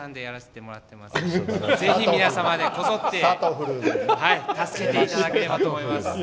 さとふるさんでやらせていただいていますのでぜひ皆様でこぞって助けていただければと思います。